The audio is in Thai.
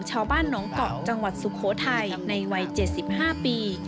ชาวบ้านน้องเกาะจังหวัดสุโขทัยในวัย๗๕ปี